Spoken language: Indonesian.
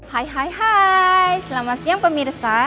hai hai hai selamat siang pemirsa